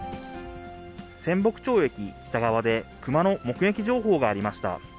仙北町駅北側で熊の目撃情報がありました。